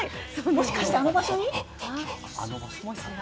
もしかしてあの場所に。